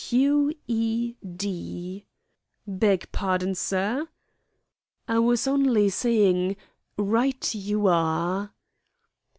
"Q.E.D." "Beg pardon, sir!" "I was only saying, 'Right you are!'"